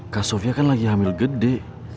kak sofia kan lagi hamil gede